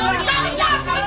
keluar pak wicak